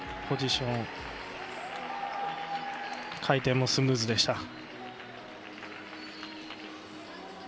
ポジション回転もスムーズでした。